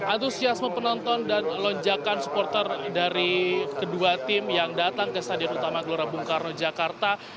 antusiasme penonton dan lonjakan supporter dari kedua tim yang datang ke stadion utama gelora bung karno jakarta